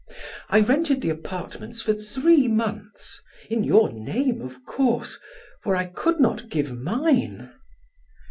I rented the apartments for three months in your name, of course, for I could not give mine."